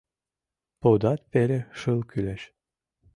Пудат пеле шыл кӱлеш.